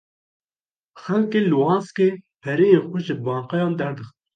Xelkê Luhanskê pereyên xwe ji bankayan derdixin.